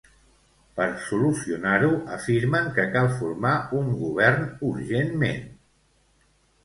Per solucionar-ho, afirmen que cal formar un govern urgentment.